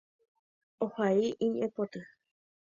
Ohai iñe'ẽpoty.